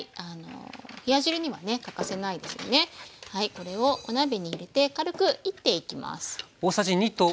これをお鍋に入れて軽く煎っていきます。